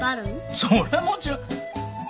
そりゃもちろ。